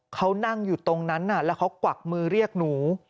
เขานั่งอยู่ตรงนั้นแล้วเขากวักมือเรียกหนู